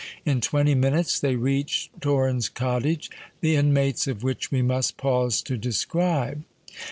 In twenty minutes they reached Torrens Cottage, the inmates of which we must pause to describe.